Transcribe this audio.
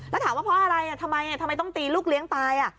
แล้วถามว่าเพราะอะไรทำไมทำไมต้องตีลูกเลี้ยงตาย